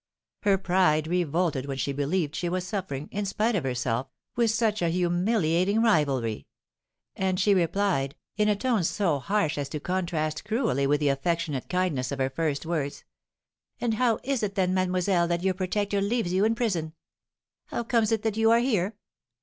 Her pride revolted when she believed she was suffering, in spite of herself, with such a humiliating rivalry; and she replied, in a tone so harsh as to contrast cruelly with the affectionate kindness of her first words: "And how is it, then, mademoiselle, that your protector leaves you in prison? How comes it that you are here?"